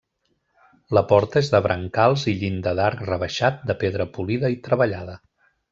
La porta és de brancals i llinda d'arc rebaixat de pedra polida i treballada.